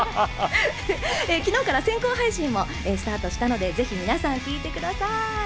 昨日から先行配信もスタートしたので、ぜひ皆さん聞いてください。